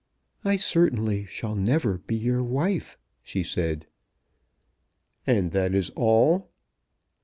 "I certainly shall never be your wife," she said. "And that is all?"